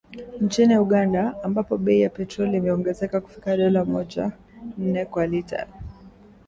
Nchini Uganda, ambapo bei ya petroli imeongezeka kufikia dola moja ,nne kwa lita